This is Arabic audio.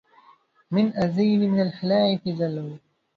من عذيري من الخلائف ضلوا